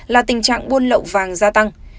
là tình trạng buôn lậu vàng gia tăng